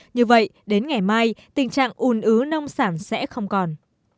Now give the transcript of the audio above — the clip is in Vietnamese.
như vậy đến ngày mai tình trạng ùn ứ nông sản sẽ không còn